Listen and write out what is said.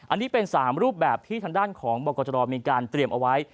อันนี้เป็น๓รูปแบบที่ทางด้านของบกจรมีการเตรียมเอาไว้